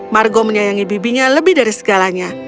margo menyayangi bibinya lebih dari segalanya